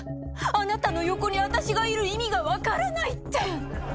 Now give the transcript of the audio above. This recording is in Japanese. あなたの横にあたしがいる意味が分からないって。